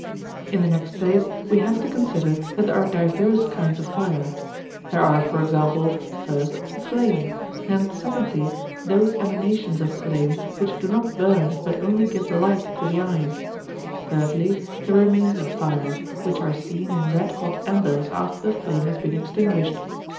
In the next place we have to consider that there are divers kinds of fire. There are, for example, first, flame; and secondly, those emanations of flame which do not burn but only give light to the eyes; thirdly, the remains of fire, which are seen in red hot embers after the flame has been extinguished.